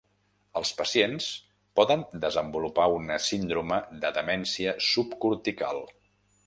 Els pacients poden desenvolupar una síndrome de demència subcortical.